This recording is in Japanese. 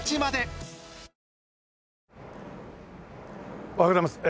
おはようございます。